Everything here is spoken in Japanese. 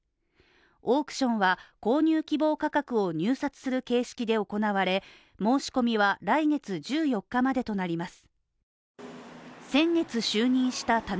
オークションは購入希望価格を入札する形式で行われ、申し込みは来月１４日までとなります。